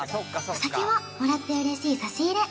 お酒はもらって嬉しい差し入れ